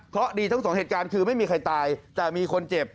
เพราะดีทั้งสองเหตุการณ์คือไม่มีใครตายแต่มีคนเจ็บ